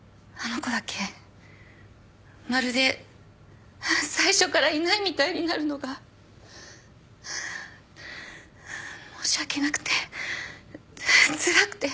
まるで最初からいないみたいになるのが申し訳なくてつらくて。